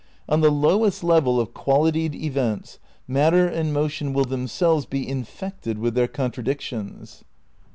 On the lowest level of qualitied events matter and motion will themselves be "in fected" with their contradictions.